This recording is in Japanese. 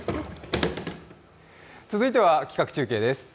続いては企画中継です。